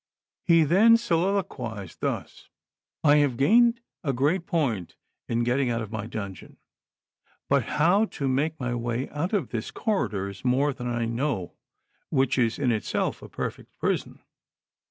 He then soliloquized thus :" I have gained a great point in getting out of my dungeon, but how to make my way out of this corridor is more than I know, which is in itself a perfect prison.